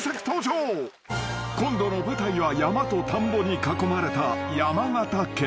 ［今度の舞台は山と田んぼに囲まれた山形県］